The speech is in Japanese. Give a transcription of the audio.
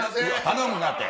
頼むなて。